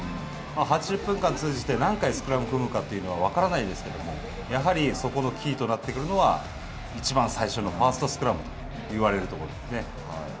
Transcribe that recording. ８０分間通じて、何回スクラムを組むかというのは分からないですけれどもやはりそこのキーとなってくるのは、いちばん最初のファーストスクラムと言われるところですね。